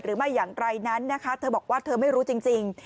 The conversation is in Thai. หรือไม่อย่างไรนั้นนะคะเธอบอกว่าเธอไม่รู้จริง